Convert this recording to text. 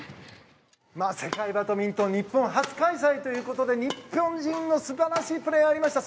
世界バドミントン日本初開催ということで日本人の素晴らしいプレーがありました。